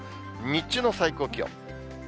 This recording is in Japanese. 日中の最高気温。